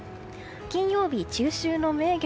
金曜日、中秋の名月。